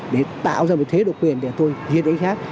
để tạo ra một thế độc quyền để tôi diệt đối khác